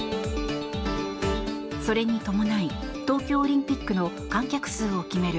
それに伴い、東京オリンピックの観客数を決める